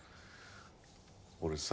俺さ。